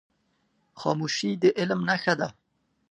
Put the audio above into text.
خاموشي، د علم نښه ده.